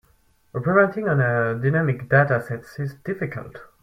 Operating on dynamic data sets is difficult.